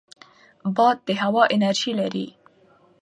باد د هوا انرژي لري